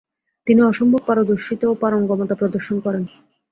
তিনি অসম্ভব পারদর্শিতা ও পারঙ্গমতা প্রদর্শন করেন।